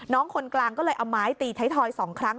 คนกลางก็เลยเอาไม้ตีไทยทอย๒ครั้ง